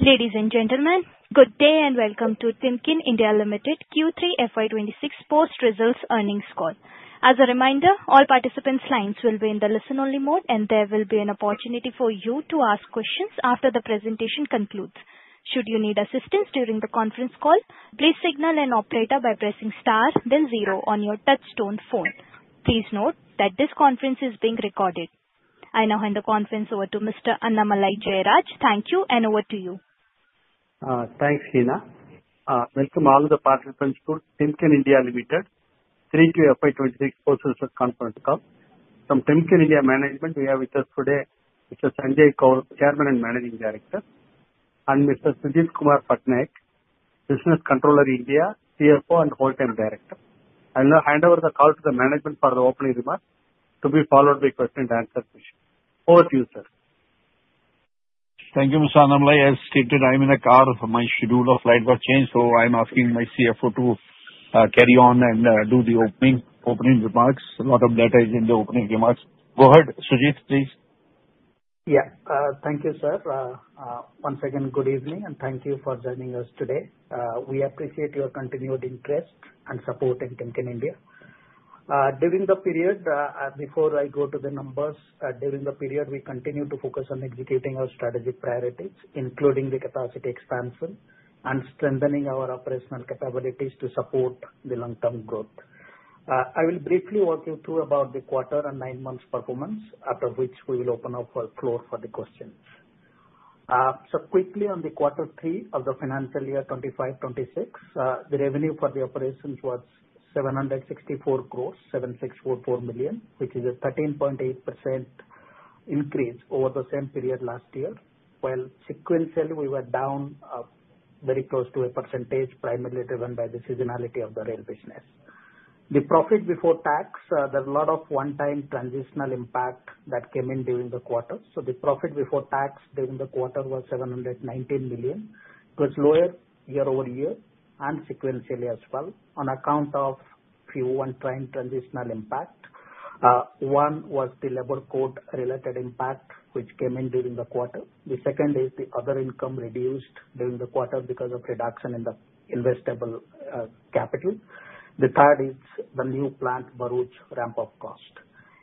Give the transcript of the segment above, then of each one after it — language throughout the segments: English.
Ladies and gentlemen, good day and welcome to Timken India Limited Q3 FY 2026 Post Results Earnings Call. As a reminder, all participants' lines will be in the listen-only mode, and there will be an opportunity for you to ask questions after the presentation concludes. Should you need assistance during the conference call, please signal an operator by pressing star, then zero on your touch-tone phone. Please note that this conference is being recorded. I now hand the conference over to Mr. Annamalai Jayaraj. Thank you, and over to you. Thanks, Leena. Welcome all the participants to Timken India Limited 3Q FY 2026 Post Results Conference Call. From Timken India Management, we have with us today Mr. Sanjay Koul, Chairman and Managing Director, and Mr. Sujit Kumar Pattanaik, Business Controller India, CFO and Whole-Time Director. I will now hand over the call to the management for the opening remarks to be followed by question-and-answer session. Over to you, sir. Thank you, Mr. Annamalai. As stated, I'm in the car. My schedule of flight was changed, so I'm asking my CFO to carry on and do the opening remarks. A lot of data is in the opening remarks. Go ahead, Sujit, please. Yeah. Thank you, sir. One second. Good evening, and thank you for joining us today. We appreciate your continued interest and support in Timken India. During the period before I go to the numbers, during the period, we continue to focus on executing our strategic priorities, including the capacity expansion and strengthening our operational capabilities to support the long-term growth. I will briefly walk you through about the quarter and nine-month performance, after which we will open up floor for the questions. Quickly, on quarter three of the financial year 2025/26, the revenue for the operations was 764 crore, 7,644 million, which is a 13.8% increase over the same period last year. While sequentially, we were down very close to 1% primarily driven by the seasonality of the Rail business. The profit before tax, there's a lot of one-time transitional impact that came in during the quarter. So the profit before tax during the quarter was 719 million. It was lower year-over-year and sequentially as well on account of a few one-time transitional impacts. One was the Labour Code-related impact, which came in during the quarter. The second is the other income reduced during the quarter because of reduction in the investable capital. The third is the new plant Bharuch ramp-up cost.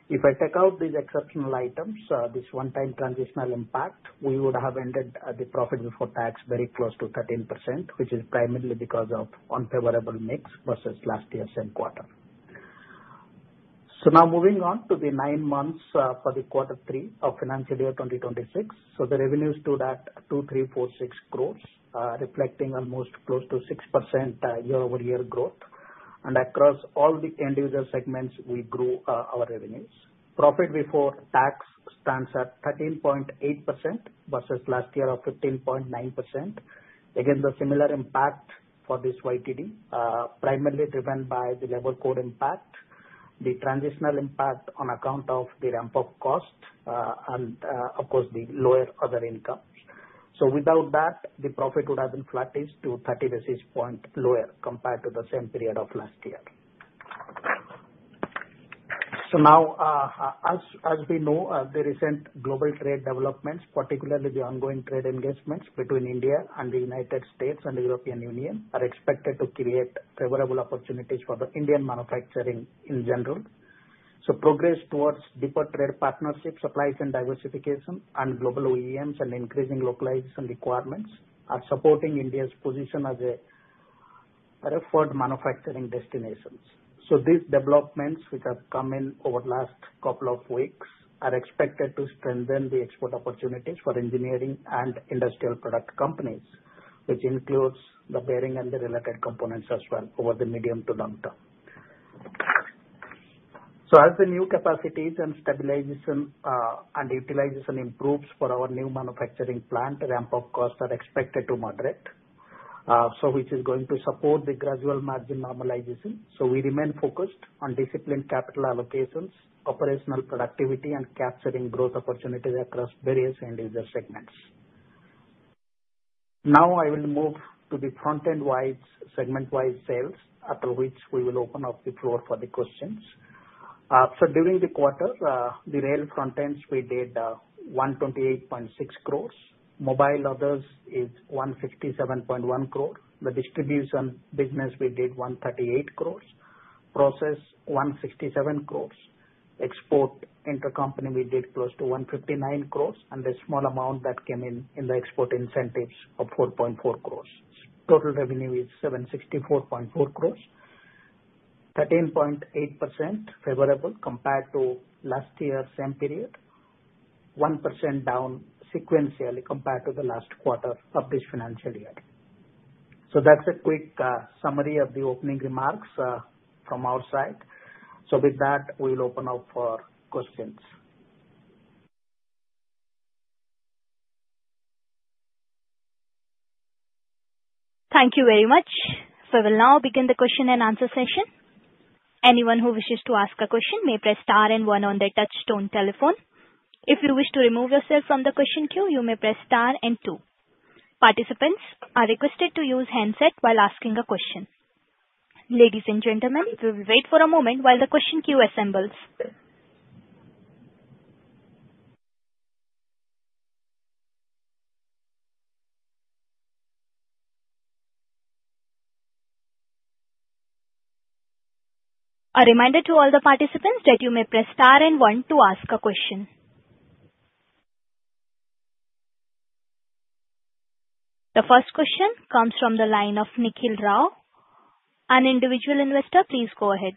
If I take out these exceptional items, this one-time transitional impact, we would have ended the profit before tax very close to 13%, which is primarily because of unfavorable mix versus last year's same quarter. So now moving on to the nine months for the quarter three of financial year 2026. So the revenues stood at 2,346 crores, reflecting almost close to 6% year-over-year growth. And across all the individual segments, we grew our revenues. Profit before tax stands at 13.8% versus last year of 15.9%. Again, the similar impact for this YTD, primarily driven by the Labour Code impact, the transitional impact on account of the ramp-up cost, and of course, the lower other incomes. So without that, the profit would have been flattish to 30 basis points lower compared to the same period of last year. So now, as we know, the recent global trade developments, particularly the ongoing trade engagements between India and the United States and the European Union, are expected to create favorable opportunities for the Indian manufacturing in general. So progress towards deeper trade partnerships, supply chain diversification, and global OEMs and increasing localization requirements are supporting India's position as a preferred manufacturing destination. These developments, which have come in over the last couple of weeks, are expected to strengthen the export opportunities for engineering and industrial product companies, which includes the bearing and the related components as well over the medium to long term. As the new capacities and stabilization and utilization improves for our new manufacturing plant, ramp-up costs are expected to moderate, which is going to support the gradual margin normalization. We remain focused on disciplined capital allocations, operational productivity, and capturing growth opportunities across various individual segments. Now, I will move to the front-end-wise segment-wide sales, after which we will open up the floor for the questions. During the quarter, the Rail front-ends, we did 128.6 crores. Mobile Others is 157.1 crores. The Distribution business, we did 138 crores. Process, 167 crores. Export inter-company, we did close to 159 crores, and the small amount that came in in the export incentives of 4.4 crores. Total revenue is 764.4 crores, 13.8% favorable compared to last year's same period, 1% down sequentially compared to the last quarter of this financial year. So that's a quick summary of the opening remarks from our side. So with that, we will open up for questions. Thank you very much. So we'll now begin the question-and-answer session. Anyone who wishes to ask a question may press star and one on their touch-tone telephone. If you wish to remove yourself from the question queue, you may press star and two. Participants are requested to use handset while asking a question. Ladies and gentlemen, we will wait for a moment while the question queue assembles. A reminder to all the participants that you may press star and one to ask a question. The first question comes from the line of Nikhil Rao. An individual investor, please go ahead.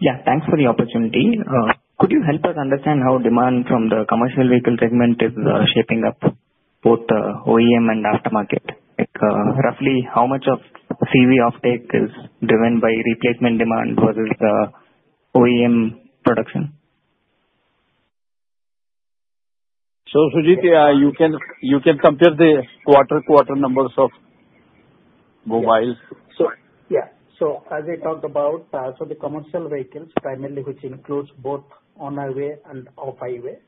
Yeah. Thanks for the opportunity. Could you help us understand how demand from the commercial vehicle segment is shaping up both OEM and aftermarket? Roughly, how much of CV offtake is driven by replacement demand versus OEM production? Sujit, you can compare the quarter-quarter numbers of mobiles. Yeah. So as I talked about, for the commercial vehicles, primarily, which includes both on-highway and off-highway,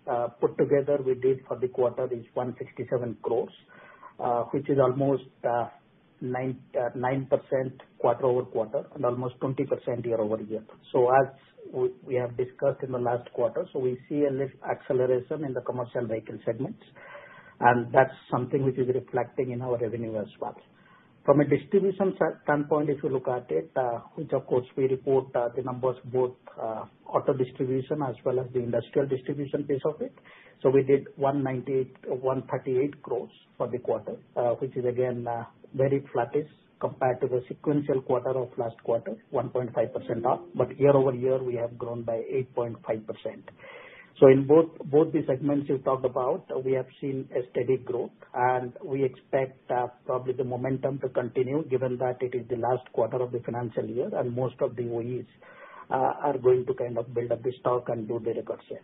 put together, we did for the quarter, is 167 crores, which is almost 9% quarter-over-quarter and almost 20% year-over-year. So as we have discussed in the last quarter, we see a little acceleration in the commercial vehicle segments, and that's something which is reflecting in our revenue as well. From a distribution standpoint, if you look at it, which of course we report the numbers both auto distribution as well as the industrial distribution piece of it. So we did 138 crores for the quarter, which is again very flattish compared to the sequential quarter of last quarter, 1.5% off. But year-over-year, we have grown by 8.5%. So in both the segments you talked about, we have seen a steady growth, and we expect probably the momentum to continue given that it is the last quarter of the financial year, and most of the OEs are going to kind of build up the stock and do their exercise.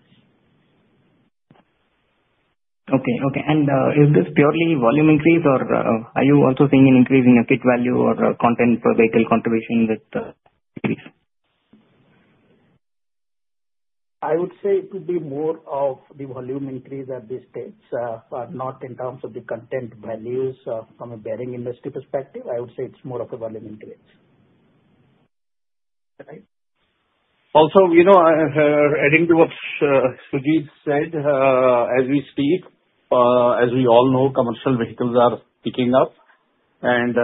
Okay. Okay. Is this purely volume increase, or are you also seeing an increase in kit value or content per vehicle contribution with the series? I would say it would be more of the volume increase at this stage, not in terms of the content values from a bearing industry perspective. I would say it's more of a volume increase. Also, adding to what Sujit said, as we speak, as we all know, commercial vehicles are picking up. And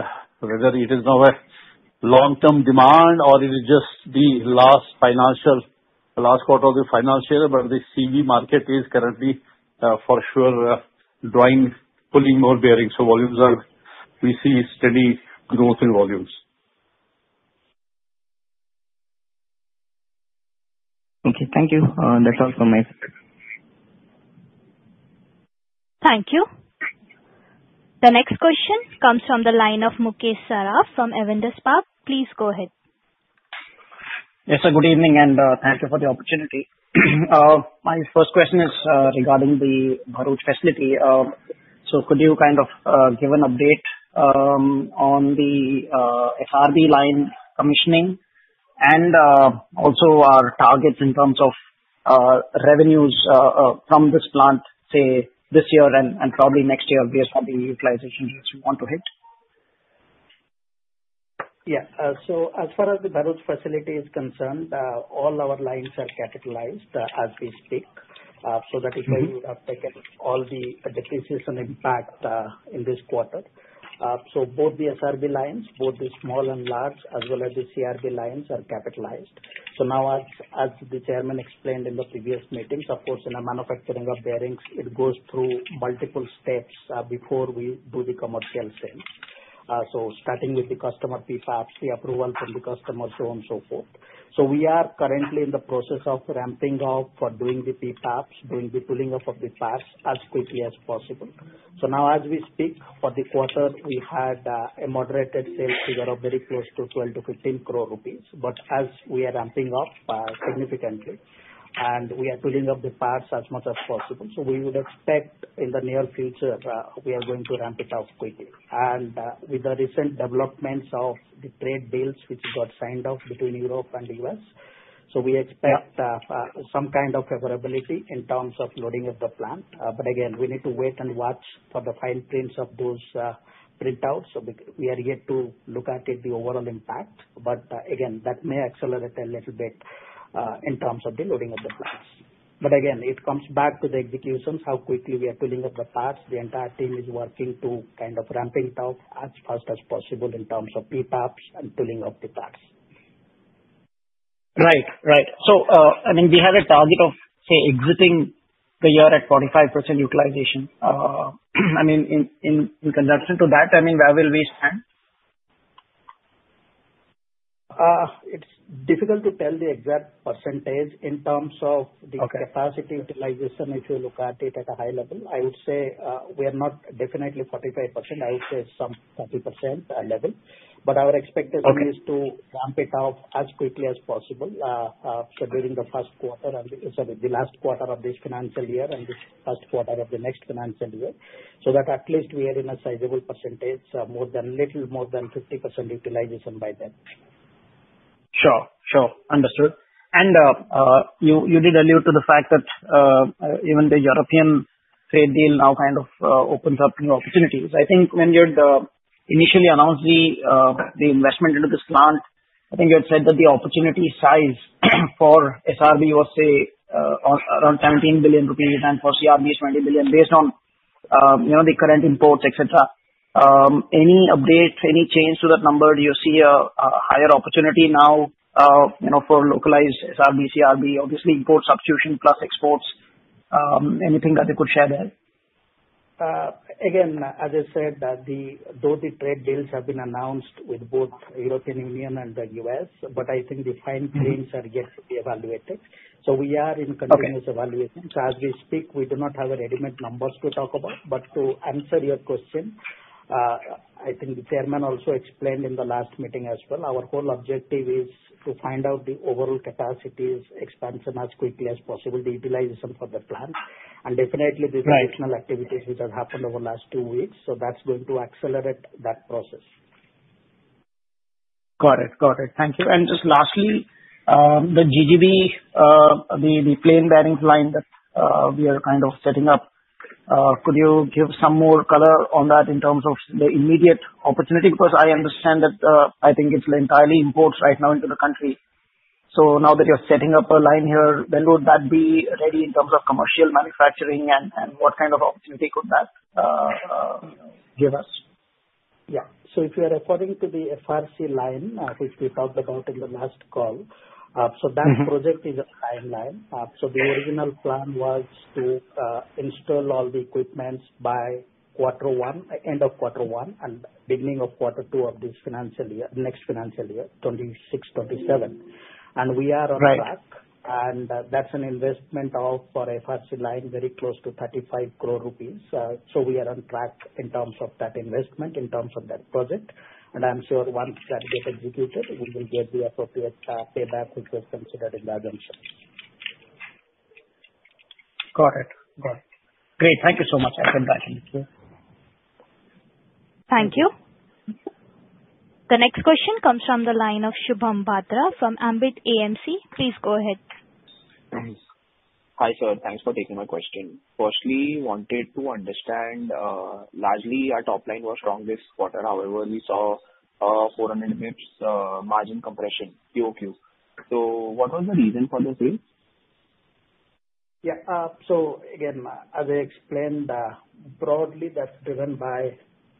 whether it is now a long-term demand or it is just the last quarter of the financial year, but the CV market is currently for sure pulling more bearings. So we see steady growth in volumes. Okay. Thank you. That's all from me. Thank you. The next question comes from the line of Mukesh Saraf from Avendus Spark. Please go ahead. Yes. Good evening, and thank you for the opportunity. My first question is regarding the Bharuch facility. So could you kind of give an update on the FRC line commissioning and also our targets in terms of revenues from this plant, say, this year and probably next year based on the utilization rates we want to hit? Yeah. So as far as the Bharuch facility is concerned, all our lines are capitalized as we speak so that we have taken all the decreases and impact in this quarter. So both the SRB lines, both the small and large, as well as the CRB lines are capitalized. So now, as the Chairman explained in the previous meetings, of course, in the manufacturing of bearings, it goes through multiple steps before we do the commercial sales, so starting with the customer PPAPs, the approval from the customers, so on and so forth. So we are currently in the process of ramping up for doing the PPAPs, doing the pulling up of the parts as quickly as possible. So now, as we speak, for the quarter, we had a moderated sales figure of very close to 12 crore-15 crore rupees. But as we are ramping up significantly and we are pulling up the parts as much as possible, so we would expect in the near future, we are going to ramp it up quickly. And with the recent developments of the trade deals, which got signed off between Europe and the U.S., so we expect some kind of favorability in terms of loading up the plant. But again, we need to wait and watch for the fine prints of those printouts. So we are yet to look at the overall impact. But again, that may accelerate a little bit in terms of the loading of the plants. But again, it comes back to the executions, how quickly we are pulling up the parts. The entire team is working to kind of ramp it up as fast as possible in terms of PPAPs and pulling up the parts. Right. Right. So I mean, we have a target of, say, exiting the year at 45% utilization. I mean, in conjunction to that, I mean, where will we stand? It's difficult to tell the exact percentage in terms of the capacity utilization. If you look at it at a high level, I would say we are not definitely 45%. I would say some 30% level. But our expectation is to ramp it up as quickly as possible during the first quarter and sorry, the last quarter of this financial year and the first quarter of the next financial year so that at least we are in a sizable percentage, a little more than 50% utilization by then. Sure. Sure. Understood. And you did allude to the fact that even the European trade deal now kind of opens up new opportunities. I think when you initially announced the investment into this plant, I think you had said that the opportunity size for SRB was, say, around 17 billion rupees and for CRB, 20 billion based on the current imports, etc. Any update, any change to that number? Do you see a higher opportunity now for localized SRB, CRB, obviously, import substitution plus exports? Anything that you could share there? Again, as I said, though the trade deals have been announced with both European Union and the U.S., but I think the fine print are yet to be evaluated. So we are in continuous evaluation. So as we speak, we do not have a ready-made numbers to talk about. But to answer your question, I think the Chairman also explained in the last meeting as well, our whole objective is to find out the overall capacity expansion as quickly as possible, the utilization for the plant. And definitely, these additional activities which have happened over the last two weeks, so that's going to accelerate that process. Got it. Got it. Thank you. And just lastly, the GGB, the plain bearings line that we are kind of setting up, could you give some more color on that in terms of the immediate opportunity? Because I understand that I think it's entirely imports right now into the country. So now that you're setting up a line here, when would that be ready in terms of commercial manufacturing, and what kind of opportunity could that give us? Yeah. So if you are referring to the FRC line, which we talked about in the last call, so that project is a timeline. So the original plan was to install all the equipment by end of Q1 and beginning of Q2 of this financial year, next financial year, 2026, 2027. And we are on track. And that's an investment for FRC line very close to 35 crore rupees. So we are on track in terms of that investment, in terms of that project. And I'm sure once that gets executed, we will get the appropriate payback, which was considered in the assumption. Got it. Got it. Great. Thank you so much. I can write in the queue. Thank you. The next question comes from the line of Shubham Batra from Ambit AMC. Please go ahead. Hi, sir. Thanks for taking my question. Firstly, wanted to understand, largely, our top line was strong this quarter. However, we saw 400 basis points margin compression, QoQ. So what was the reason for the sale? Yeah. So again, as I explained, broadly, that's driven by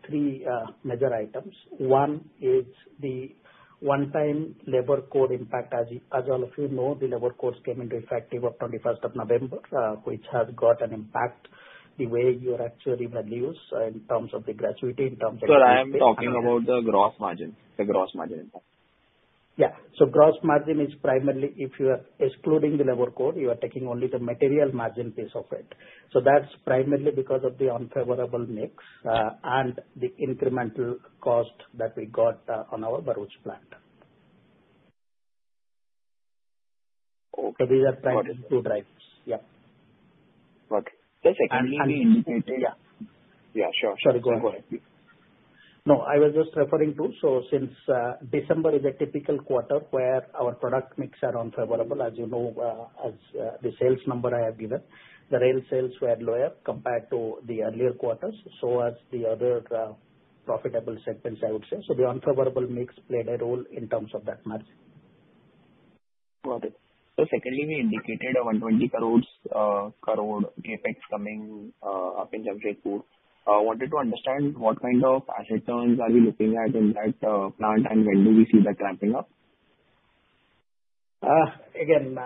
three major items. One is the one-time Labour Code impact. As all of you know, the Labour Codes came into effect on November 21st, which has got an impact on the way your actuary values in terms of the gratuity, in terms of the. Sir, I am talking about the gross margin, the gross margin impact. Yeah. So gross margin is primarily if you are excluding the Labour Code, you are taking only the material margin piece of it. So that's primarily because of the unfavorable mix and the incremental cost that we got on our Bharuch plant. So these are primarily two drives. Yeah. Okay. That's exactly the indicator. Yeah. Sure. Sure. Go ahead. Sorry. Go ahead. No, I was just referring to so since December is a typical quarter where our product mix is unfavorable, as you know, as the sales number I have given, the rail sales were lower compared to the earlier quarters, so as the other profitable segments, I would say. So the unfavorable mix played a role in terms of that margin. Got it. Secondly, we indicated 120 crore CapEx coming up in Jamshedpur. I wanted to understand what kind of asset turns are we looking at in that plant, and when do we see that ramping up? Again,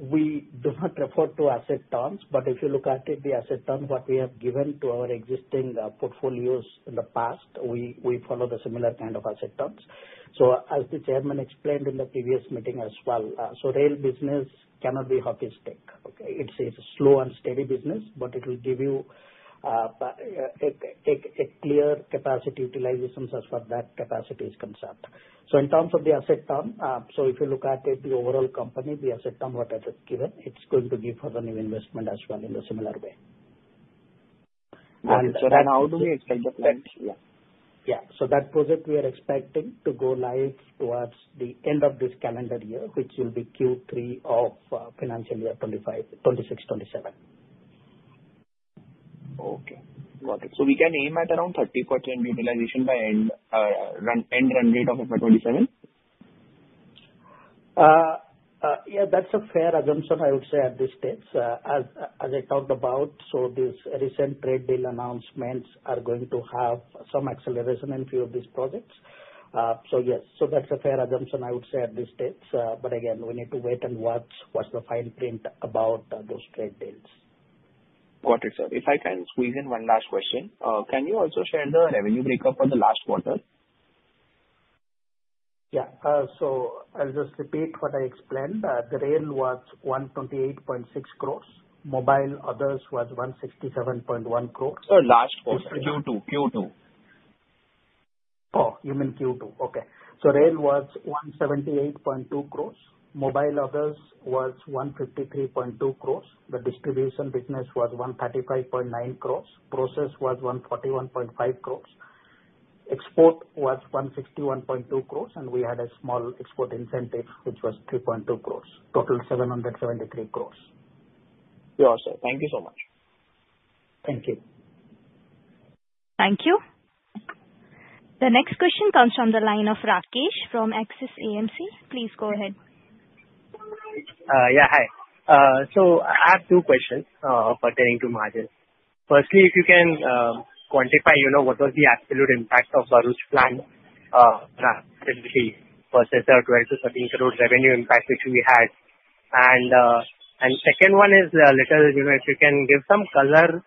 we do not refer to asset turns. But if you look at it, the asset turn what we have given to our existing portfolios in the past, we follow the similar kind of asset turns. So as the Chairman explained in the previous meeting as well, so Rail business cannot be hockey stick. Okay? It's a slow and steady business, but it will give you a clear capacity utilization as far as that capacity is concerned. So in terms of the asset turn, so if you look at it, the overall company, the asset turn whatever is given, it's going to give further new investment as well in a similar way. Okay. How do we expect the plant? Yeah. Yeah. So that project, we are expecting to go live towards the end of this calendar year, which will be Q3 of financial year 2026, 2027. Okay. Got it. So we can aim at around 30% utilization by end run rate of FY 2027? Yeah. That's a fair assumption, I would say, at this stage. As I talked about, so these recent trade deal announcements are going to have some acceleration in a few of these projects. So yes. So that's a fair assumption, I would say, at this stage. But again, we need to wait and watch what's the fine print about those trade deals. Got it, sir. If I can squeeze in one last question, can you also share the revenue breakup for the last quarter? Yeah. I'll just repeat what I explained. The rail was 128.6 crores. Mobile Others was 167.1 crores. Sir, last quarter. Just for Q2. Q2. Oh, you mean Q2. Okay. So rail was 178.2 crores. Mobile Others was 153.2 crores. The Distribution business was 135.9 crores. Process was 141.5 crores. Export was 161.2 crores, and we had a small export incentive, which was 3.2 crores. Total 773 crores. Sure, sir. Thank you so much. Thank you. Thank you. The next question comes from the line of Rakesh from Axis AMC. Please go ahead. Yeah. Hi. So I have two questions pertaining to margin. Firstly, if you can quantify what was the absolute impact of Bharuch plant versus the INR 12 crore-INR 13 crore revenue impact which we had. And second one is a little if you can give some color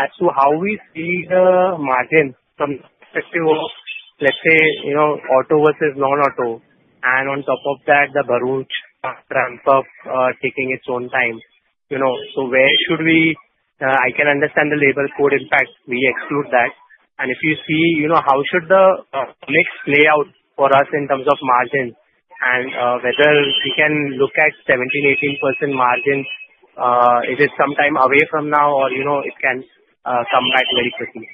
as to how we see the margin from the perspective of, let's say, auto versus non-auto. And on top of that, the Bharuch ramp up taking its own time. So where should we I can understand the Labour Code impact. We exclude that. And if you see how should the mix play out for us in terms of margin and whether we can look at 17%-18% margin, is it sometime away from now, or it can come back very quickly?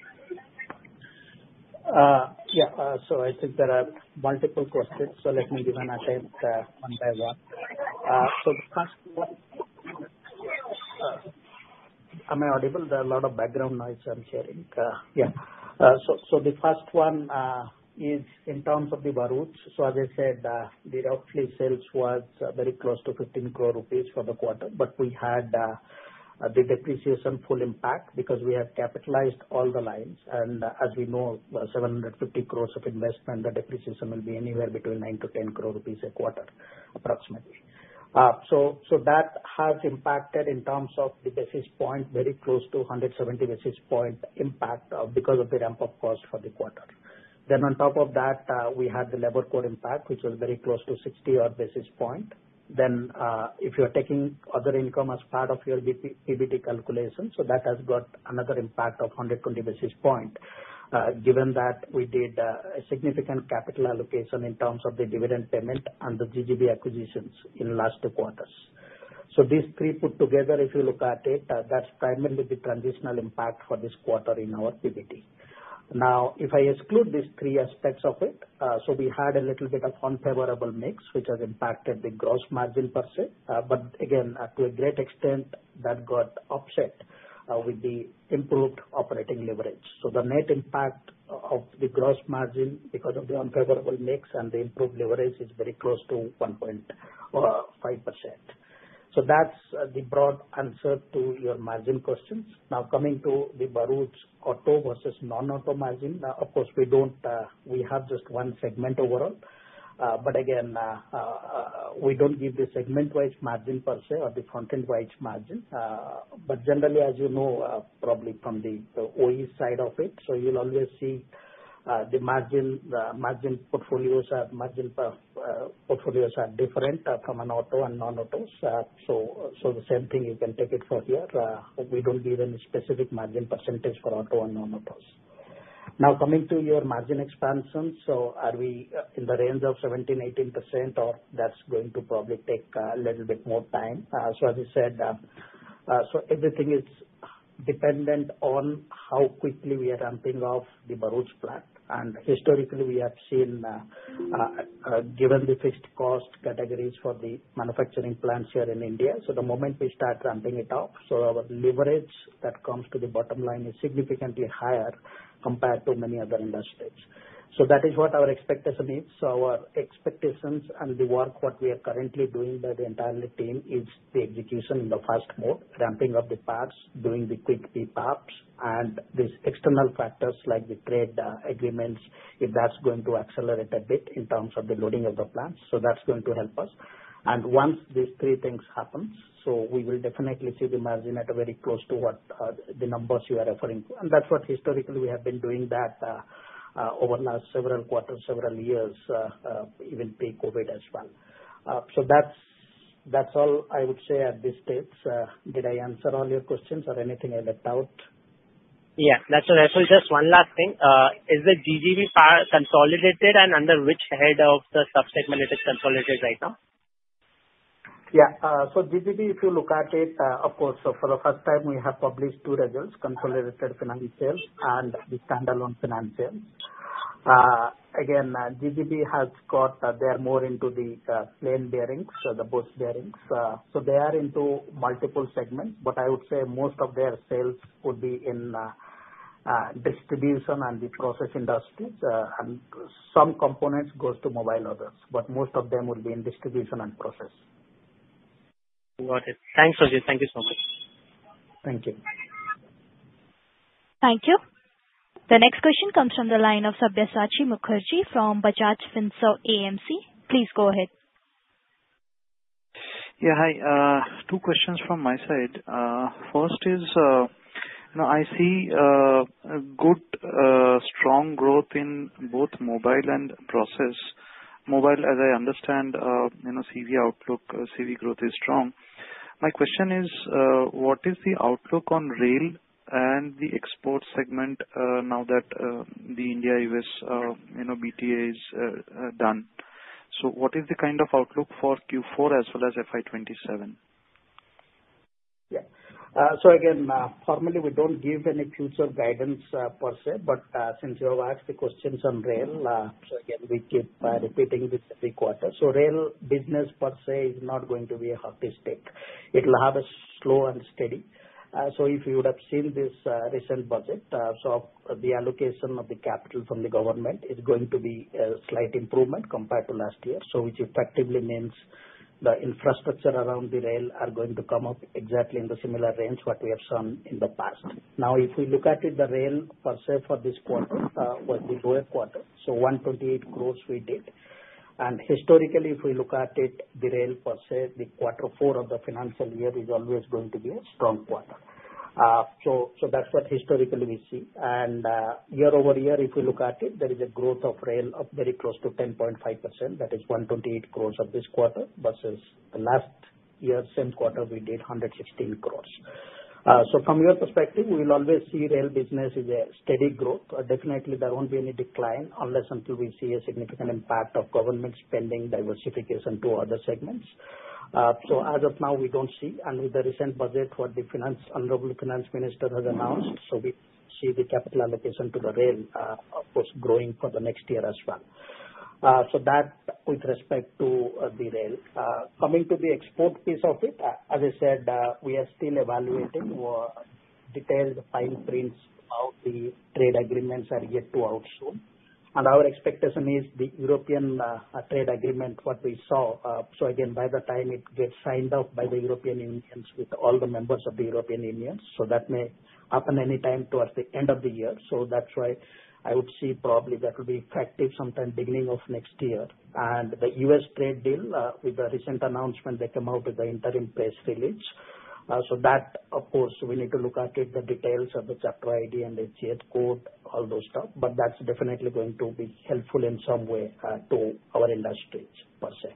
Yeah. So I think there are multiple questions. So let me give an attempt one by one. So the first one am I audible? There are a lot of background noise I'm hearing. Yeah. So the first one is in terms of the Bharuch. So as I said, the roughly sales was very close to 15 crore rupees for the quarter. But we had the depreciation full impact because we have capitalized all the lines. And as we know, 750 crore of investment, the depreciation will be anywhere between 9 crore-10 crore rupees a quarter, approximately. So that has impacted in terms of the basis points very close to 170 basis points impact because of the ramp-up cost for the quarter. Then on top of that, we had the Labour Code impact, which was very close to 60-odd basis points. Then if you're taking other income as part of your PBT calculation, so that has got another impact of 120 basis points given that we did a significant capital allocation in terms of the dividend payment and the GGB acquisitions in the last two quarters. So these three put together, if you look at it, that's primarily the transitional impact for this quarter in our PBT. Now, if I exclude these three aspects of it, so we had a little bit of unfavorable mix, which has impacted the gross margin per se. But again, to a great extent, that got offset with the improved operating leverage. So the net impact of the gross margin because of the unfavorable mix and the improved leverage is very close to 1.5%. So that's the broad answer to your margin questions. Now, coming to the Bharuch auto versus non-auto margin, of course, we have just one segment overall. But again, we don't give the segment-wise margin per se or the frontend-wise margin. But generally, as you know, probably from the OE side of it, so you'll always see the margin portfolios are margin portfolios are different from an auto and non-auto. So the same thing, you can take it for here. We don't give any specific margin percentage for auto and non-autos. Now, coming to your margin expansion, so are we in the range of 17%-18%, or that's going to probably take a little bit more time? So as I said, so everything is dependent on how quickly we are ramping off the Bharuch plant. And historically, we have seen given the fixed cost categories for the manufacturing plants here in India. So the moment we start ramping it off, so our leverage that comes to the bottom line is significantly higher compared to many other industries. So that is what our expectation is. So our expectations and the work what we are currently doing by the entire team is the execution in the fast mode, ramping up the parts, doing the quick pickups, and these external factors like the trade agreements, if that's going to accelerate a bit in terms of the loading of the plants. So that's going to help us. And once these three things happen, so we will definitely see the margin at a very close to what the numbers you are referring to. And that's what historically, we have been doing that over the last several quarters, several years, even pre-COVID as well. So that's all I would say at this stage. Did I answer all your questions, or anything I left out? Yeah. Actually, just one last thing. Is the GGB consolidated, and under which head of the subsegment it is consolidated right now? Yeah. So GGB, if you look at it, of course, for the first time, we have published two results, consolidated financials and the standalone financials. Again, GGB has got they are more into the plain bearings, the bushing bearings. So they are into multiple segments. But I would say most of their sales would be in distribution and the process industries. And some components go to mobile OEMs. But most of them will be in distribution and process. Got it. Thanks, Sujit. Thank you so much. Thank you. Thank you. The next question comes from the line of Sabyasachi Mukherjee from Bajaj Finserv AMC. Please go ahead. Yeah. Hi. Two questions from my side. First is I see good, strong growth in both mobile and process. Mobile, as I understand, CV outlook, CV growth is strong. My question is, what is the outlook on rail and the export segment now that the India-U.S. BTA is done? So what is the kind of outlook for Q4 as well as FY 2027? Yeah. So again, formally, we don't give any future guidance per se. But since you have asked the questions on rail, so again, we keep repeating this every quarter. So Rail business per se is not going to be a hockey stick. It will have a slow and steady. So if you would have seen this recent budget, so the allocation of the capital from the government is going to be a slight improvement compared to last year, so which effectively means the infrastructure around the rail are going to come up exactly in the similar range what we have seen in the past. Now, if we look at it, the rail per se for this quarter was the lower quarter, so 128 crore we did. Historically, if we look at it, the rail per se, the quarter four of the financial year is always going to be a strong quarter. That's what historically we see. Year-over-year, if we look at it, there is a growth of rail of very close to 10.5%. That is 128 crore of this quarter versus the last year, same quarter, we did 116 crore. From your perspective, we will always see Rail business is a steady growth. Definitely, there won't be any decline unless until we see a significant impact of government spending diversification to other segments. As of now, we don't see. With the recent budget what the Honorable Finance Minister has announced, so we see the capital allocation to the rail, of course, growing for the next year as well. That with respect to the rail. Coming to the export piece of it, as I said, we are still evaluating detailed fine prints of the trade agreements that get out soon. Our expectation is the European trade agreement what we saw so again, by the time it gets signed off by the European Union with all the members of the European Union, so that may happen anytime towards the end of the year. So that's why I would see probably that will be effective sometime beginning of next year. And the U.S. trade deal, with the recent announcement that came out with the interim press release, so that, of course, we need to look at it, the details of the chapter ID and the HS code, all those stuff. But that's definitely going to be helpful in some way to our industries per se.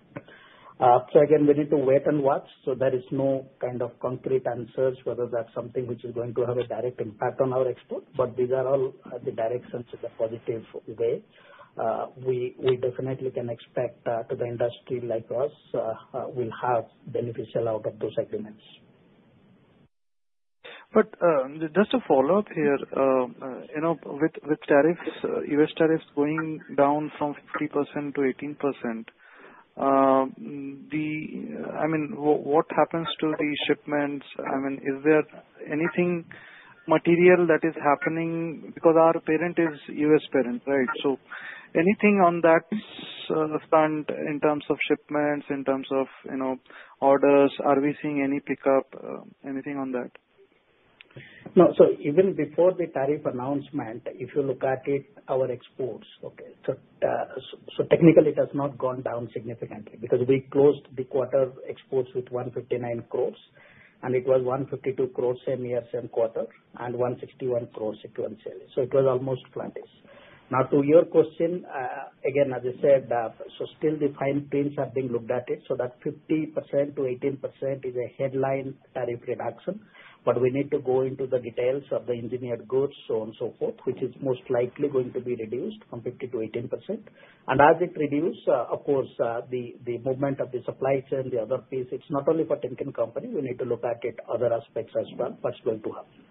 So again, we need to wait and watch. So, there is no kind of concrete answers whether that's something which is going to have a direct impact on our export. But these are all the directions in the positive way. We definitely can expect to the industry like us will have beneficial out of those agreements. Just a follow-up here. With tariffs, U.S. tariffs going down from 50%-18%, I mean, what happens to the shipments? I mean, is there anything material that is happening because our parent is U.S. parent, right? So anything on that front in terms of shipments, in terms of orders? Are we seeing any pickup, anything on that? No. So even before the tariff announcement, if you look at it, our exports, okay. So technically, it has not gone down significantly because we closed the quarter exports with 159 crore. And it was 152 crore same year, same quarter, and 161 crore equivalent sales. So it was almost plant-based. Now, to your question, again, as I said, so still the fine prints are being looked at it. So that 50%-18% is a headline tariff reduction. But we need to go into the details of the engineered goods, so on and so forth, which is most likely going to be reduced from 50%-18%. And as it reduces, of course, the movement of the supply chain, the other piece, it's not only for Timken Company. We need to look at it other aspects as well what's going to happen.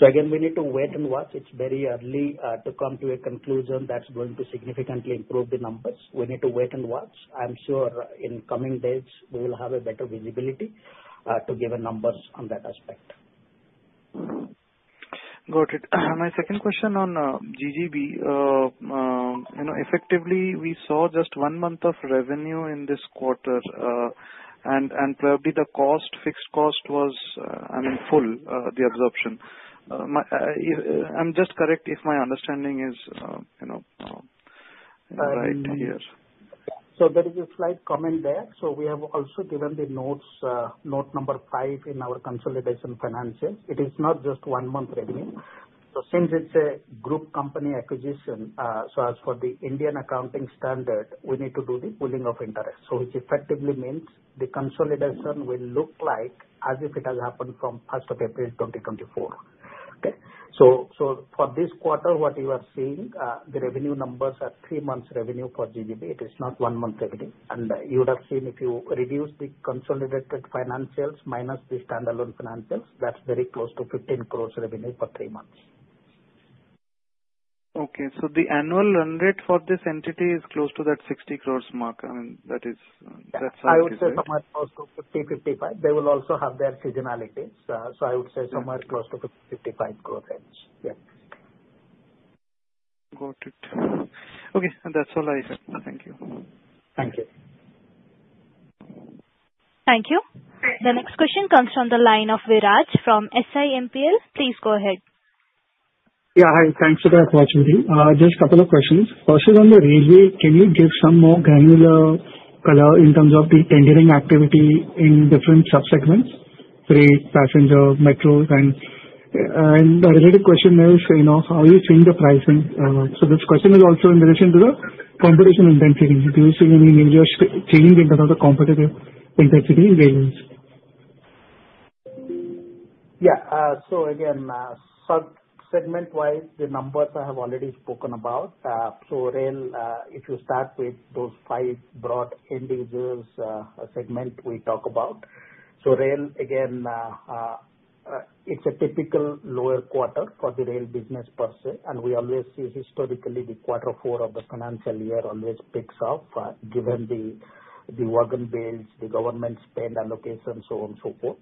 So again, we need to wait and watch. It's very early to come to a conclusion that's going to significantly improve the numbers. We need to wait and watch. I'm sure in coming days, we will have a better visibility to give a numbers on that aspect. Got it. My second question on GGB. Effectively, we saw just one month of revenue in this quarter. And probably the cost, fixed cost was, I mean, full, the absorption. I'm just correct if my understanding is right here. So there is a slight comment there. So we have also given the note number five in our consolidation financials. It is not just 1 month revenue. So since it's a group company acquisition, so as for the Indian accounting standard, we need to do the pooling of interests, so which effectively means the consolidation will look like as if it has happened from 1st of April 2024. Okay? So for this quarter, what you are seeing, the revenue numbers are 3 months revenue for GGB. It is not 1 month revenue. And you would have seen if you reduce the consolidated financials minus the standalone financials, that's very close to 15 crore revenue for 3 months. Okay. So the annual run rate for this entity is close to that 60 crores mark. I mean, that sounds interesting. Yeah. I would say somewhere close to 50-55. They will also have their seasonalities. So I would say somewhere close to 50-55 crores. Yep. Got it. Okay. That's all I have. Thank you. Thank you. Thank you. The next question comes from the line of Viraj from SiMPL. Please go ahead. Yeah. Hi. Thanks for the opportunity. Just a couple of questions. First is on the railway. Can you give some more granular color in terms of the tendering activity in different subsegments, freight, passenger, metro? And a related question is, how are you seeing the pricing? So this question is also in relation to the competition intensity. Do you see any major change in terms of the competitive intensity in railways? Yeah. So again, subsegment-wise, the numbers I have already spoken about. So rail, if you start with those five broad individuals, a segment we talk about. So rail, again, it's a typical lower quarter for the Rail business per se. And we always see historically, the quarter four of the financial year always picks up given the wagon builds, the government spend allocation, so on and so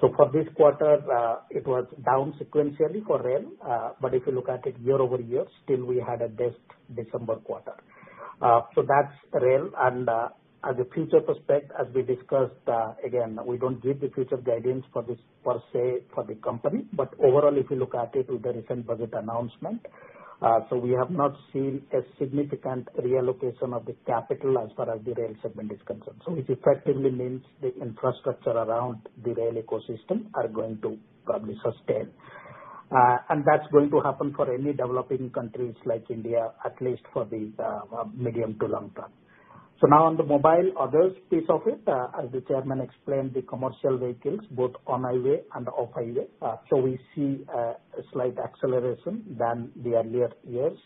forth. So for this quarter, it was down sequentially for rail. But if you look at it year-over-year, still we had a best December quarter. So that's rail. And as a future perspective, as we discussed, again, we don't give the future guidance per se for the company. But overall, if you look at it with the recent budget announcement, so we have not seen a significant reallocation of the capital as far as the Rail segment is concerned. So which effectively means the infrastructure around the rail ecosystem are going to probably sustain. And that's going to happen for any developing countries like India, at least for the medium to long term. So now on the Mobile Others piece of it, as the Chairman explained, the commercial vehicles, both on highway and off highway, so we see a slight acceleration than the earlier years.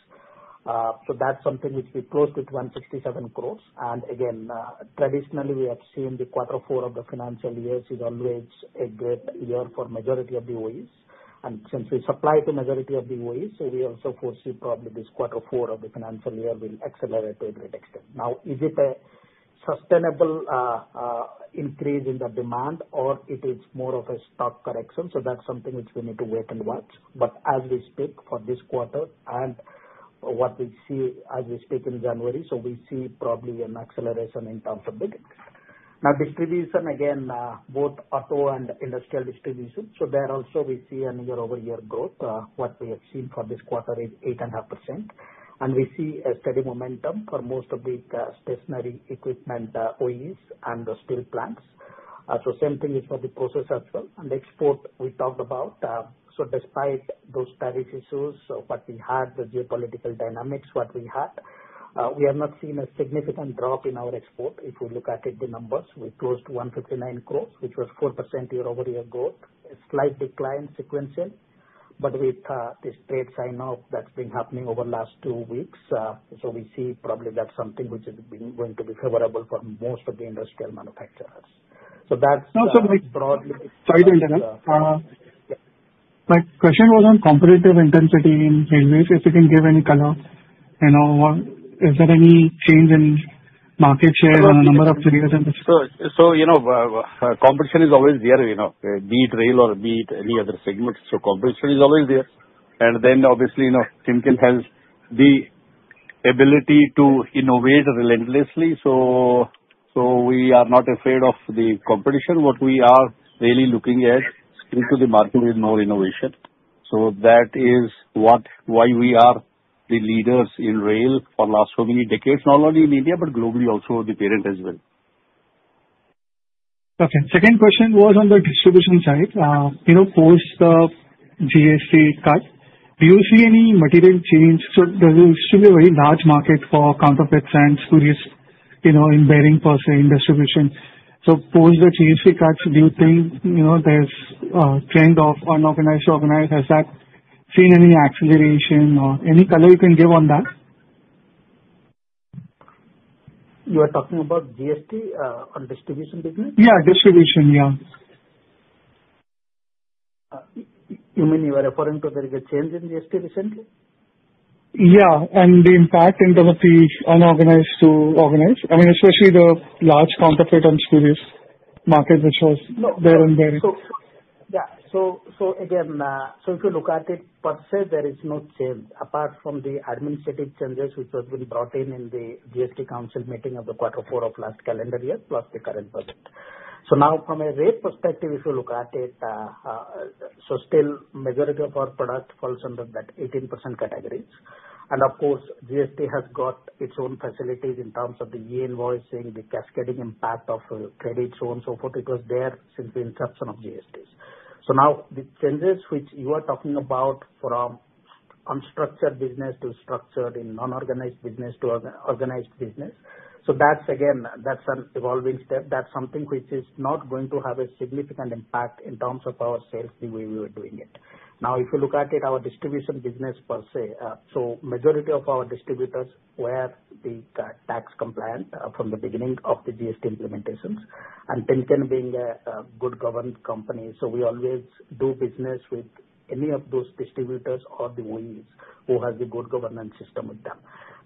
So that's something which we closed with 167 crore. And again, traditionally, we have seen the quarter four of the financial years is always a great year for majority of the OEs. And since we supply to majority of the OEs, so we also foresee probably this quarter four of the financial year will accelerate to a great extent. Now, is it a sustainable increase in the demand, or it is more of a stock correction? So that's something which we need to wait and watch. But as we speak for this quarter and what we see as we speak in January, so we see probably an acceleration in terms of big exports. Now, distribution, again, both auto and industrial distribution, so there also, we see a year-over-year growth. What we have seen for this quarter is 8.5%. And we see a steady momentum for most of the stationary equipment OEs and the steel plants. So same thing is for the process as well. And export, we talked about. So despite those tariff issues, what we had, the geopolitical dynamics, what we had, we have not seen a significant drop in our export. If we look at it, the numbers, we closed 159 crore, which was 4% year-over-year growth, a slight decline sequentially. With this trade sign-off that's been happening over the last two weeks, so we see probably that's something which is going to be favorable for most of the industrial manufacturers. That's broadly. Sorry to interrupt. My question was on competitive intensity in railways. If you can give any color, is there any change in market share on a number of players in this? So competition is always there, be it rail or be it any other segment. So competition is always there. And then obviously, Timken has the ability to innovate relentlessly. So we are not afraid of the competition. What we are really looking at is to the market with more innovation. So that is why we are the leaders in rail for the last so many decades, not only in India but globally also, the parent as well. Okay. Second question was on the distribution side. Post the GST cut, do you see any material change? So there used to be a very large market for counterfeits and spurious in bearings per se in distribution. So post the GST cuts, do you think there's a trend of unorganized to organized? Has that seen any acceleration or any color you can give on that? You are talking about GST on Distribution business? Yeah. Distribution. Yeah. You mean you are referring to there is a change in GST recently? Yeah. And the impact in terms of the unorganized to organized, I mean, especially the large counterfeit and spurious market, which was there in bearing. Yeah. So again, so if you look at it per se, there is no change apart from the administrative changes which have been brought in in the GST Council meeting of the quarter four of last calendar year plus the current budget. So now from a rate perspective, if you look at it, so still, majority of our product falls under that 18% categories. And of course, GST has got its own facilities in terms of the e-invoicing, the cascading impact of credit, so on and so forth. It was there since the inception of GST. So now the changes which you are talking about from unstructured business to structured, in non-organized business to organized business, so again, that's an evolving step. That's something which is not going to have a significant impact in terms of our sales the way we were doing it. Now, if you look at it, our Distribution business per se, so majority of our distributors were the tax compliant from the beginning of the GST implementations. And Timken being a good-governed company, so we always do business with any of those distributors or the OEs who have the good governance system with them.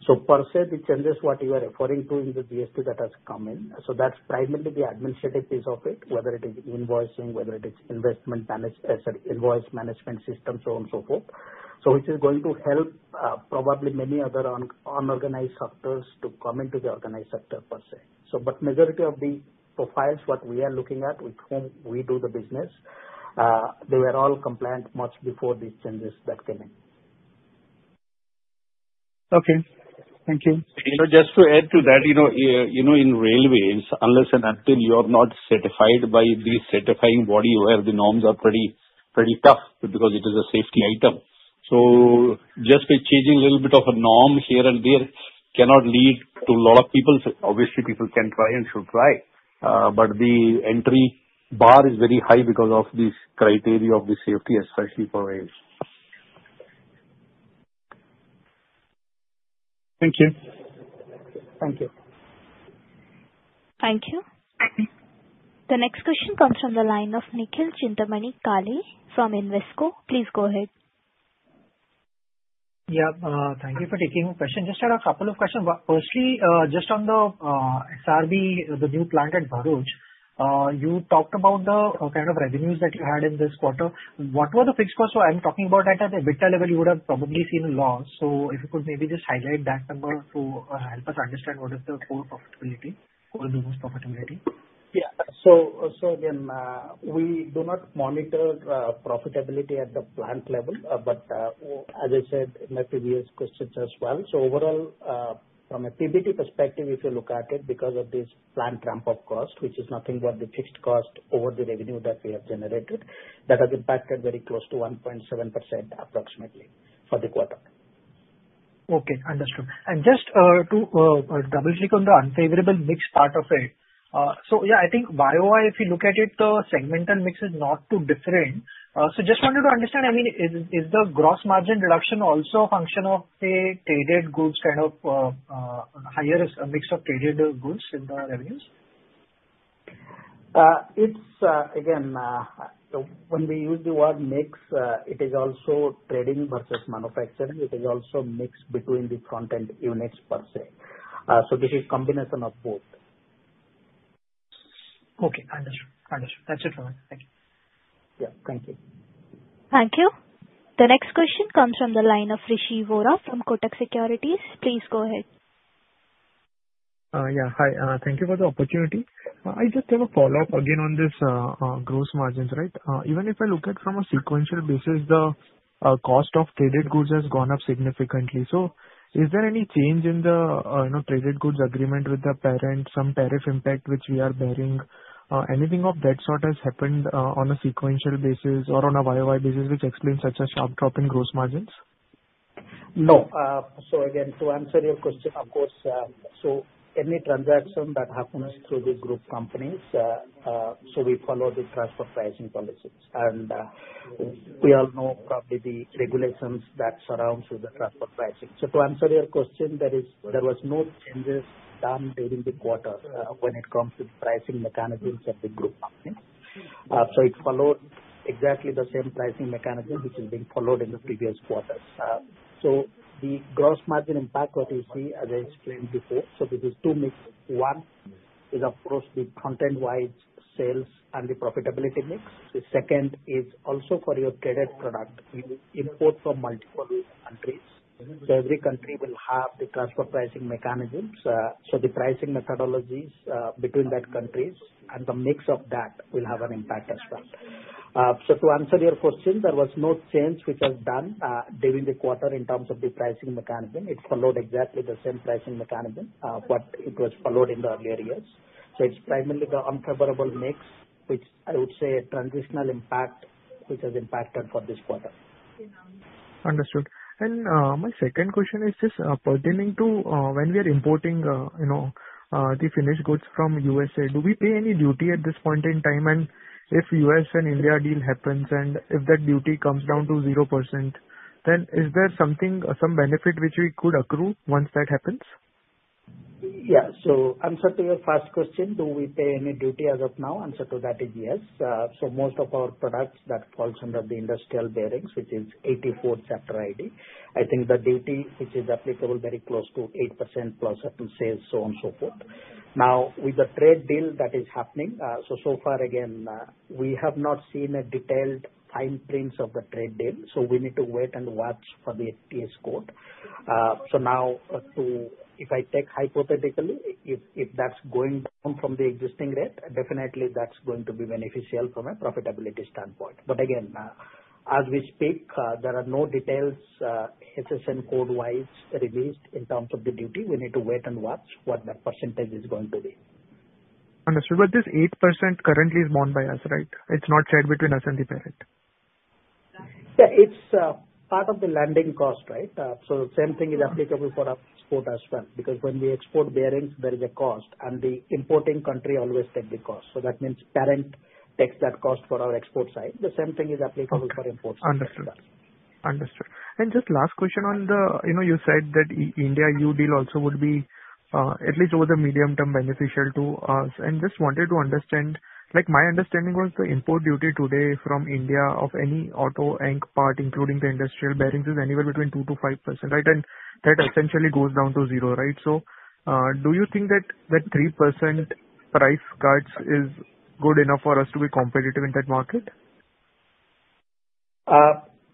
So per se, the changes what you are referring to in the GST that has come in, so that's primarily the administrative piece of it, whether it is invoicing, whether it is investment management sorry, invoice management system, so on and so forth, so which is going to help probably many other unorganized sectors to come into the organized sector per se. But majority of the profiles what we are looking at with whom we do the business, they were all compliant much before these changes that came in. Okay. Thank you. Just to add to that, in railways, unless and until you are not certified by the certifying body where the norms are pretty tough because it is a safety item. So just by changing a little bit of a norm here and there cannot lead to a lot of people obviously; people can try and should try. But the entry bar is very high because of this criteria of the safety, especially for rails. Thank you. Thank you. Thank you. The next question comes from the line of Nikhil Chintamani Kale from Invesco. Please go ahead. Yeah. Thank you for taking my question. Just had a couple of questions. Firstly, just on the SRB, the new plant at Bharuch, you talked about the kind of revenues that you had in this quarter. What were the fixed costs? So I'm talking about at the breakeven level, you would have probably seen a loss. So if you could maybe just highlight that number to help us understand what is the core profitability, core business profitability. Yeah. So again, we do not monitor profitability at the plant level. But as I said in my previous questions as well, so overall, from a PBT perspective, if you look at it, because of this plant ramp-up cost, which is nothing but the fixed cost over the revenue that we have generated, that has impacted very close to 1.7% approximately for the quarter. Okay. Understood. And just to double-click on the unfavorable mix part of it, so yeah, I think Y-o-Y, if you look at it, the segmental mix is not too different. So just wanted to understand, I mean, is the gross margin reduction also a function of, say, traded goods kind of higher mix of traded goods in the revenues? Again, when we use the word mix, it is also trading versus manufacturing. It is also mix between the front-end units per se. So this is combination of both. Okay. Understood. Understood. That's it for me. Thank you. Yeah. Thank you. Thank you. The next question comes from the line of Rishi Vora from Kotak Securities. Please go ahead. Yeah. Hi. Thank you for the opportunity. I just have a follow-up again on this gross margins, right? Even if I look at from a sequential basis, the cost of traded goods has gone up significantly. So is there any change in the traded goods agreement with the parent, some tariff impact which we are bearing? Anything of that sort has happened on a sequential basis or on a Y-o-Y basis which explains such a sharp drop in gross margins? No. So again, to answer your question, of course, so any transaction that happens through the group companies, so we follow the transfer pricing policies. And we all know probably the regulations that surrounds the transfer pricing. So to answer your question, there was no changes done during the quarter when it comes to the pricing mechanisms of the group companies. So it followed exactly the same pricing mechanism which is being followed in the previous quarters. So the gross margin impact, what you see, as I explained before, so this is two mix. One. Is approach the content-wise sales and the profitability mix. The second is also for your traded product. You import from multiple countries. So every country will have the transfer pricing mechanisms. So the pricing methodologies between that countries and the mix of that will have an impact as well. So, to answer your question, there was no change which has done during the quarter in terms of the pricing mechanism. It followed exactly the same pricing mechanism, but it was followed in the earlier years. So, it's primarily the unfavorable mix which I would say a transitional impact which has impacted for this quarter. Understood. My second question is just pertaining to when we are importing the finished goods from USA, do we pay any duty at this point in time? If US and India deal happens and if that duty comes down to 0%, then is there some benefit which we could accrue once that happens? Yeah. So answer to your first question, do we pay any duty as of now? Answer to that is yes. So most of our products that falls under the industrial bearings, which is Chapter 84 HS, I think the duty which is applicable very close to 8%+ certain cess, so on and so forth. Now, with the trade deal that is happening, so far, again, we have not seen a detailed fine print of the trade deal. So we need to wait and watch for the HS code. So now, if I take hypothetically, if that's going down from the existing rate, definitely, that's going to be beneficial from a profitability standpoint. But again, as we speak, there are no details HSN code-wise released in terms of the duty. We need to wait and watch what that percentage is going to be. Understood. But this 8% currently is bound by us, right? It's not shared between us and the parent? Yeah. It's part of the landing cost, right? So same thing is applicable for our export as well because when we export bearings, there is a cost. And the importing country always takes the cost. So that means parent takes that cost for our export side. The same thing is applicable for import side. Understood. Understood. And just last question on the you said that India-US deal also would be at least over the medium term beneficial to us. And just wanted to understand my understanding was the import duty today from India of any auto and part including the industrial bearings is anywhere between 2%-5%, right? And that essentially goes down to zero, right? So do you think that that 3% price cuts is good enough for us to be competitive in that market?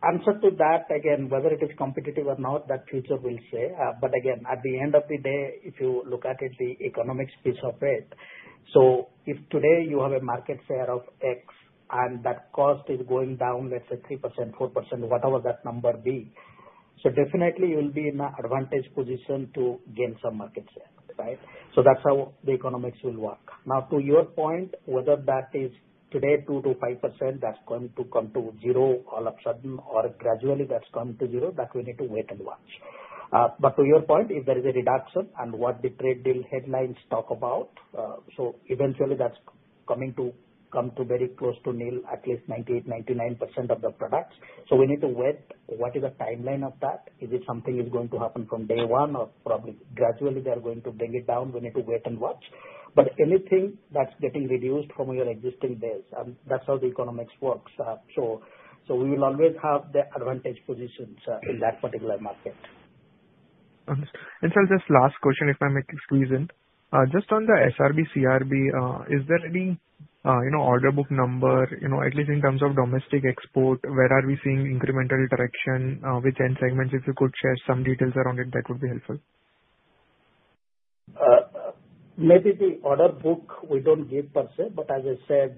Answer to that, again, whether it is competitive or not, that future will say. But again, at the end of the day, if you look at it, the economics piece of it so if today you have a market share of X and that cost is going down, let's say, 3%, 4%, whatever that number be, so definitely, you'll be in an advantage position to gain some market share, right? So that's how the economics will work. Now, to your point, whether that is today 2%-5%, that's going to come to zero all of a sudden or gradually, that's going to zero, that we need to wait and watch. But to your point, if there is a reduction and what the trade deal headlines talk about, so eventually, that's coming to come to very close to nearly at least 98%-99% of the products. We need to wait. What is the timeline of that? Is it something is going to happen from day one or probably gradually, they are going to bring it down? We need to wait and watch. Anything that's getting reduced from your existing base, and that's how the economics works. We will always have the advantage positions in that particular market. Understood. And so just last question, if I may squeeze in. Just on the SRB, CRB, is there any order book number, at least in terms of domestic export, where are we seeing incremental direction, which end segments, if you could share some details around it, that would be helpful. Maybe the order book we don't give per se. But as I said,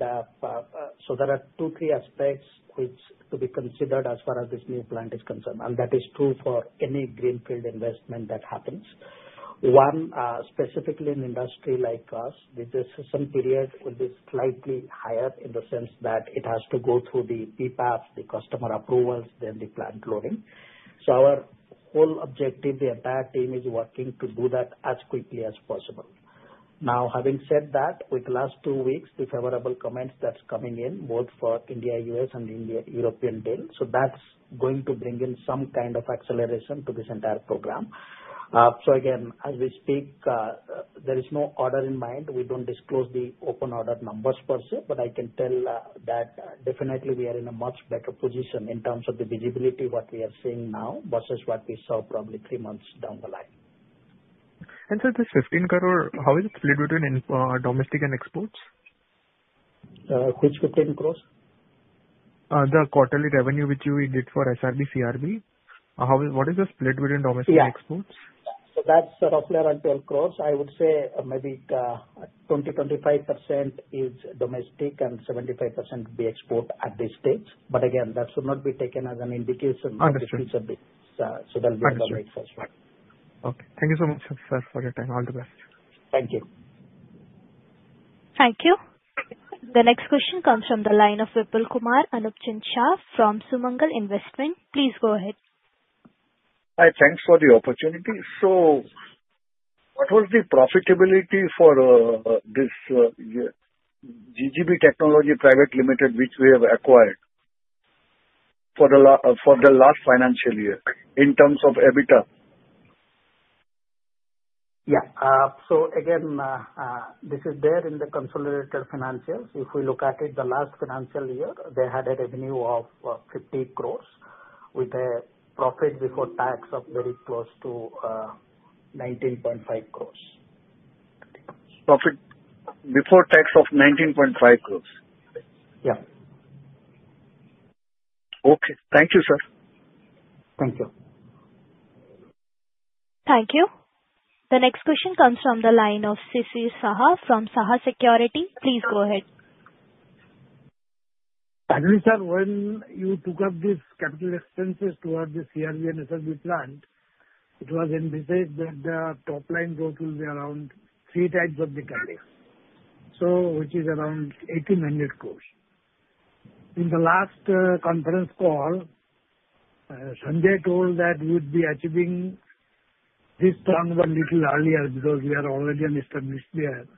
so there are two, three aspects which to be considered as far as this new plant is concerned. And that is true for any greenfield investment that happens. One, specifically in industry like us, the decision period will be slightly higher in the sense that it has to go through the PPAP, the customer approvals, then the plant loading. So our whole objective, the entire team, is working to do that as quickly as possible. Now, having said that, with the last two weeks, the favorable comments that's coming in both for India, U.S., and European deal, so that's going to bring in some kind of acceleration to this entire program. So again, as we speak, there is no order in mind. We don't disclose the open order numbers per se. I can tell that definitely, we are in a much better position in terms of the visibility, what we are seeing now versus what we saw probably three months down the line. This 15 crore, how is it split between domestic and exports? Which 15 crore? The quarterly revenue which we did for SRB, CRB. What is the split between domestic and exports? Yeah. So that's roughly around 12 crore. I would say maybe 20%-25% is domestic and 75% would be export at this stage. But again, that should not be taken as an indication of the future business. So that will be the weight first one. Understood. Okay. Thank you so much, sir, for your time. All the best. Thank you. Thank you. The next question comes from the line of Vipulkumar Anupchand Shah from Sumangal Investments. Please go ahead. Hi. Thanks for the opportunity. So what was the profitability for this GGB Technology Pvt. Ltd., which we have acquired for the last financial year in terms of EBITDA? Yeah. So again, this is there in the consolidated financials. If we look at it, the last financial year, they had a revenue of 50 crores with a profit before tax of very close to 19.5 crores. Profit before tax of 19.5 crore? Yeah. Okay. Thank you, sir. Thank you. Thank you. The next question comes from the line of Shishir Saha from Saha Securities. Please go ahead. Chairman, sir, when you took up these capital expenses towards the CRB and SRB plant, it was indicated that the top line growth will be around 3 times the capital, which is around 1,800 crores. In the last conference call, Sanjay told that we would be achieving this number a little earlier because we are already an established bearing.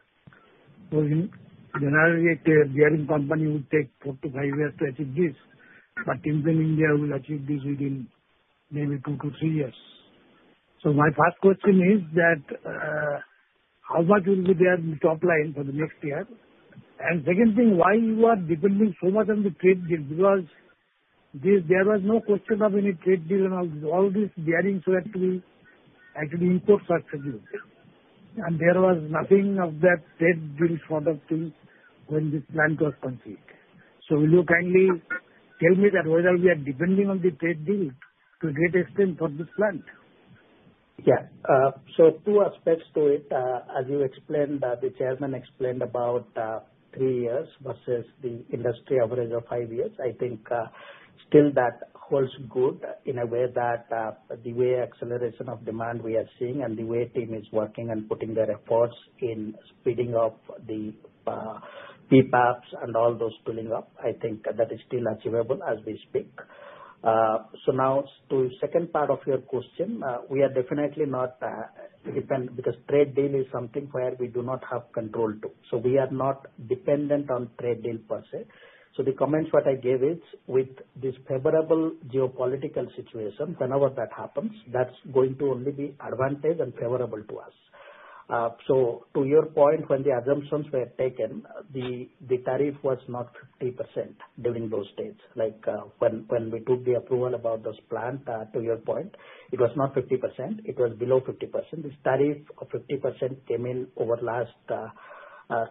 So in general, a bearing company would take 4-5 years to achieve this. But Timken India will achieve this within maybe 2-3 years. So my first question is that how much will be there in the top line for the next year? And second thing, why you are depending so much on the trade deal? Because there was no question of any trade deal and all this bearing so that we actually import successfully. There was nothing of that trade deal sort of thing when this plan was conceived. Will you kindly tell me that whether we are depending on the trade deal to a great extent for this plant? Yeah. So two aspects to it. As you explained, the Chairman explained about three years versus the industry average of five years. I think still that holds good in a way that the way acceleration of demand we are seeing and the way team is working and putting their efforts in speeding up the PPAPs and all those pulling up, I think that is still achievable as we speak. So now, to the second part of your question, we are definitely not dependent because trade deal is something where we do not have control to. So we are not dependent on trade deal per se. So the comments what I gave is with this favorable geopolitical situation, whenever that happens, that's going to only be advantage and favorable to us. So to your point, when the assumptions were taken, the tariff was not 50% during those stages. When we took the approval about this plant, to your point, it was not 50%. It was below 50%. This tariff of 50% came in over the last 3-4 quarters. But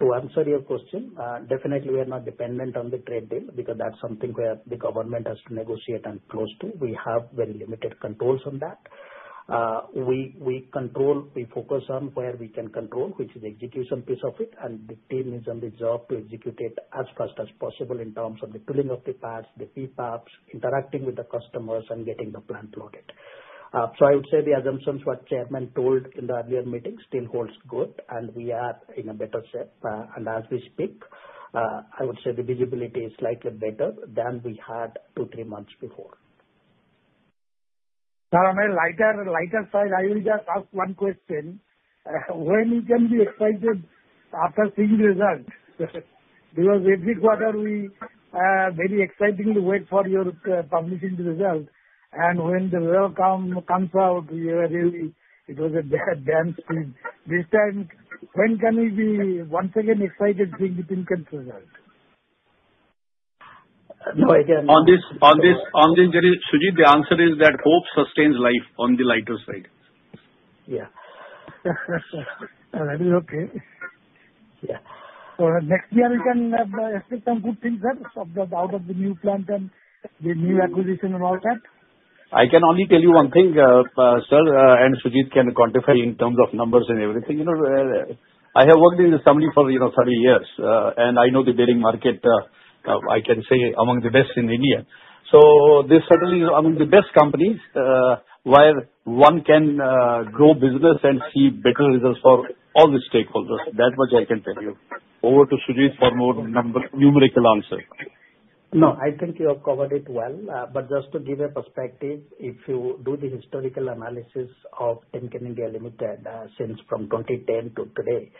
to answer your question, definitely, we are not dependent on the trade deal because that's something where the government has to negotiate and close to. We have very limited controls on that. We focus on where we can control, which is the execution piece of it. And the team is on the job to execute it as fast as possible in terms of the pulling of the parts, the PPAPs, interacting with the customers, and getting the plant loaded. So I would say the assumptions what Chairman told in the earlier meeting still holds good. And we are in a better shape. As we speak, I would say the visibility is slightly better than we had 2, 3 months before. Sir, on a lighter side, I will just ask one question. When can we be excited after seeing the result? Because every quarter, we are very excited to wait for your publishing the result. And when the result comes out, it was a damp squib. This time, when can we be once again excited seeing the team's results? No. Again. On this, Janish, Sujit, the answer is that hope sustains life on the lighter side. Yeah. That is okay. Yeah. For next year, we can expect some good things, sir, out of the new plant and the new acquisition and all that? I can only tell you one thing, sir, and Sujit can quantify in terms of numbers and everything. I have worked in the industry for 30 years. I know the bearing market, I can say, among the best in India. This certainly is among the best companies where one can grow business and see better results for all the stakeholders. That much I can tell you. Over to Sujit for more numerical answer. No. I think you have covered it well. But just to give a perspective, if you do the historical analysis of Timken India Ltd. since from 2010 to today,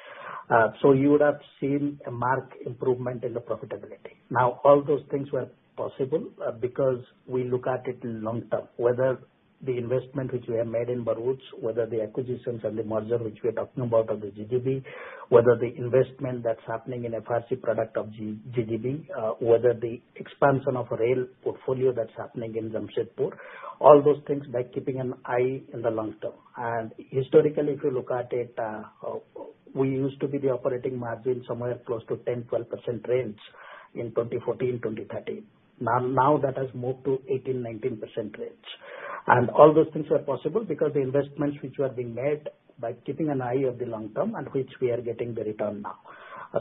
so you would have seen a marked improvement in the profitability. Now, all those things were possible because we look at it long term, whether the investment which we have made in Bharuch, whether the acquisitions and the merger which we are talking about of the GGB, whether the investment that's happening in FRC product of GGB, whether the expansion of a rail portfolio that's happening in Jamshedpur, all those things by keeping an eye in the long term. And historically, if you look at it, we used to be the operating margin somewhere close to 10%-12% range in 2014, 2013. Now, that has moved to 18%-19% range. All those things were possible because the investments which were being made by keeping an eye of the long term and which we are getting the return now.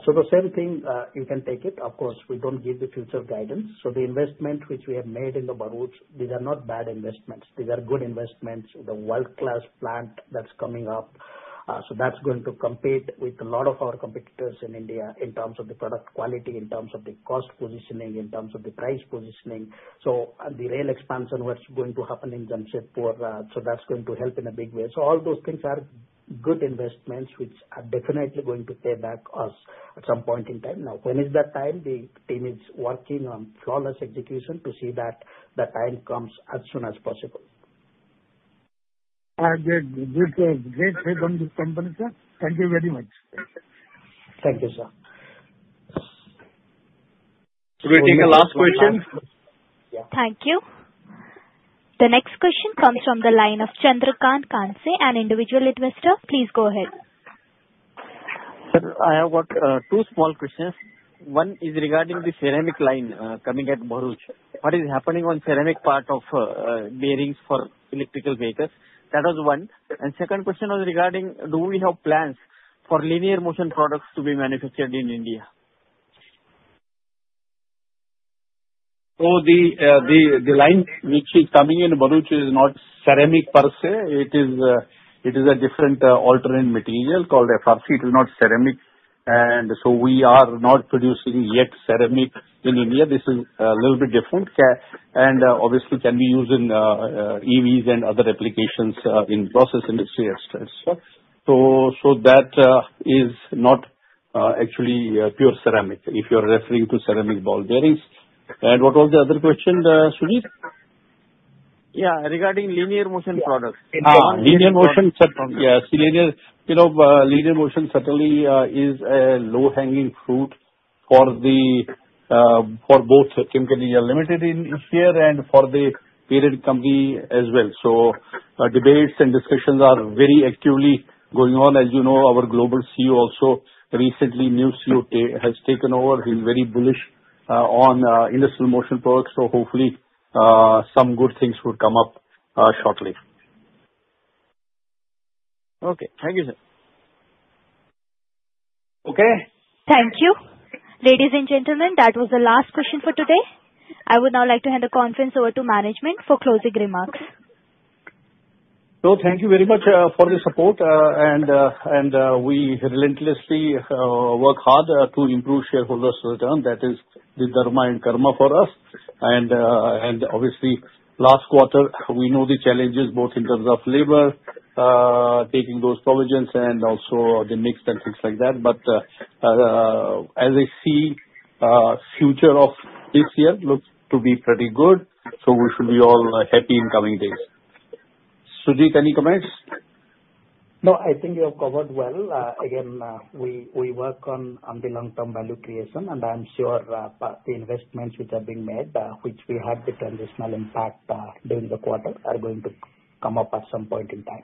So the same thing, you can take it. Of course, we don't give the future guidance. So the investment which we have made in the Bharuch, these are not bad investments. These are good investments, the world-class plant that's coming up. So that's going to compete with a lot of our competitors in India in terms of the product quality, in terms of the cost positioning, in terms of the price positioning. So the rail expansion that's going to happen in Jamshedpur, so that's going to help in a big way. So all those things are good investments which are definitely going to pay back us at some point in time. Now, when is that time? The team is working on flawless execution to see that the time comes as soon as possible. Good. Great sales on this company, sir. Thank you very much. Thank you, sir. Sujit, take a last question. Thank you. The next question comes from the line of Chandrakant Kanase, an individual investor. Please go ahead. Sir, I have two small questions. One is regarding the ceramic line coming at Bharuch. What is happening on ceramic part of bearings for electric vehicles? That was one. And second question was regarding, do we have plans for linear motion products to be manufactured in India? So the line which is coming in Bharuch is not ceramic per se. It is a different alternate material called FRC. It is not ceramic. And so we are not producing yet ceramic in India. This is a little bit different. And obviously, it can be used in EVs and other applications in process industry as such. So that is not actually pure ceramic if you are referring to ceramic ball bearings. And what was the other question, Sujit? Yeah. Regarding linear motion products. Linear motion, yes. Linear motion certainly is a low-hanging fruit for both Timken India Limited here and for the parent company as well. So debates and discussions are very actively going on. As you know, our global CEO also recently, new CEO, has taken over. He's very bullish on industrial motion products. So hopefully, some good things would come up shortly. Okay. Thank you, sir. Okay. Thank you. Ladies and gentlemen, that was the last question for today. I would now like to hand the conference over to management for closing remarks. So thank you very much for the support. We relentlessly work hard to improve shareholders' return. That is the dharma and karma for us. Obviously, last quarter, we know the challenges both in terms of labor, taking those provisions, and also the mix and things like that. As I see, the future of this year looks to be pretty good. We should be all happy in coming days. Sujit, any comments? No. I think you have covered well. Again, we work on the long-term value creation. And I'm sure the investments which are being made, which we had the transitional impact during the quarter, are going to come up at some point in time.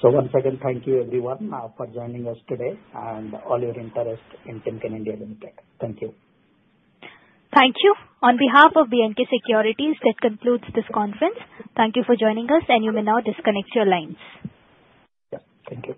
So once again, thank you, everyone, for joining us today and all your interest in Timken India Ltd. Thank you. Thank you. On behalf of B&K Securities, that concludes this conference. Thank you for joining us. You may now disconnect your lines. Yes. Thank you.